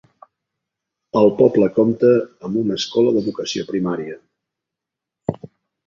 El poble compta amb una escola d'educació primària.